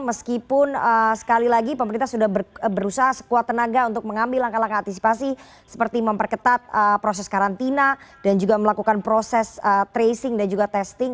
meskipun sekali lagi pemerintah sudah berusaha sekuat tenaga untuk mengambil langkah langkah antisipasi seperti memperketat proses karantina dan juga melakukan proses tracing dan juga testing